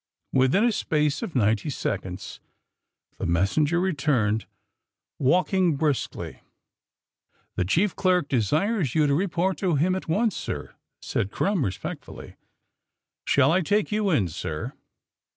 Within a space of ninety seconds the messen ger returned, walking briskly. 10 THE SUBMABINE BOYS '^The cMef clerk desires you to report to him at once, sir, '' said Krumm respectfully. '' Shall I take you in, sir?'